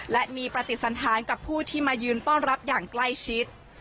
และมีปฏิสันธารกับผู้ที่มายืนต้อนรับอย่างใกล้ชิด